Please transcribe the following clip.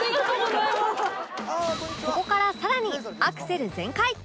ここから更にアクセル全開！